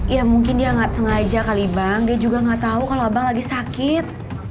ya mungkin dia nggak sengaja kali bang dia juga nggak tahu kalau abang lagi sakit